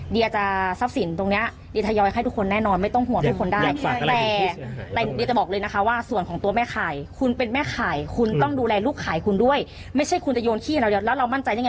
เดี๋ยวต้องฟังดูนะครับ